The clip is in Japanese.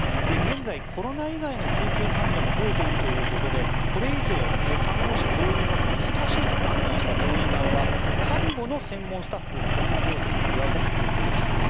現在、コロナ以外の救急患者も増えているということでこれ以上、看護師増員は難しいと判断した病院側は介護の専門スタッフをコロナ病床に加えたということです。